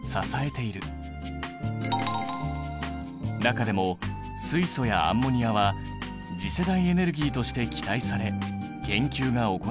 中でも水素やアンモニアは次世代エネルギーとして期待され研究が行われている。